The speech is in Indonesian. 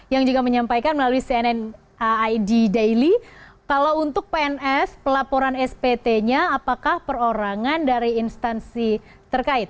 yang juga menyampaikan melalui cnn id daily kalau untuk pns pelaporan spt nya apakah perorangan dari instansi terkait